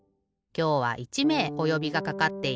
今日は１めいおよびがかかっている。